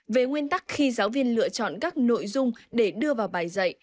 về nguyên tắc khi giáo viên lựa chọn các nội dung để đưa vào bài dạy